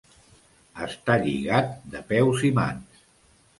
Estar lligat de peus i mans.